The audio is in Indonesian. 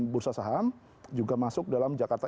bursa saham juga masuk dalam jakarta